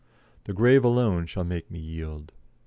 The grave alone shall make me yield."